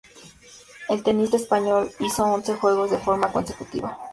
El tenista español hizo once juegos de forma consecutiva.